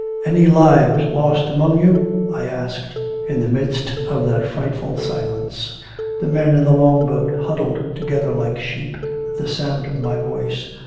"Any lives lost among you?" I asked, in the midst of that frightful silence. The men in the Long bout huddled together like sheep at the sound of my voice.